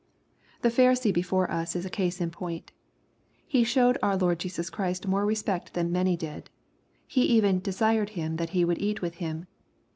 The Pharisee before us is a case in point. He showed our Lord Jesus Christ more respect than many did. He even " desired Him that He would eat with him.''